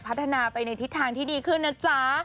พัฒนาไปในทิศทางที่ดีขึ้นนะจ๊ะ